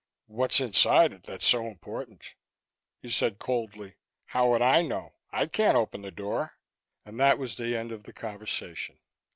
"What's inside it that's so important?" He said coldly, "How would I know? I can't open the door." And that was the end of the conversation.